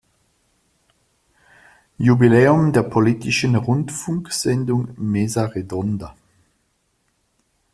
Jubiläum der politischen Rundfunksendung "Mesa Redonda".